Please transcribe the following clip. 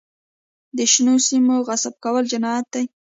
د شنو سیمو غصبول جنایت دی.